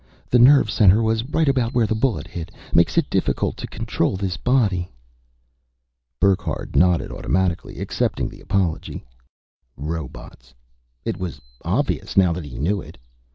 "The nerve center was right about where the bullet hit. Makes it difficult to control this body." Burckhardt nodded automatically, accepting the apology. Robots. It was obvious, now that he knew it.